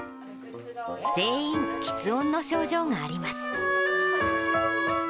全員きつ音の症状があります。